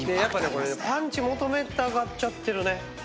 これねパンチ求めたがっちゃってるね。